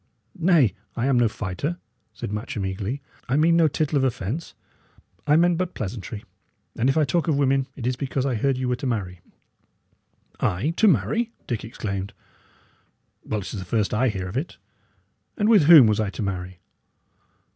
"Nay, I am no fighter," said Matcham, eagerly. "I mean no tittle of offence. I meant but pleasantry. And if I talk of women, it is because I heard ye were to marry." "I to marry!" Dick exclaimed. "Well, it is the first I hear of it. And with whom was I to marry?"